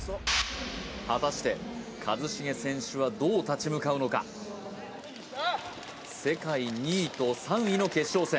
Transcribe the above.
果たして一茂選手はどう立ち向かうのか世界２位と３位の決勝戦